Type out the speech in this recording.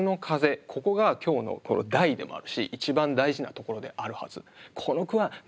ここが今日の題でもあるし一番大事なところであるはず。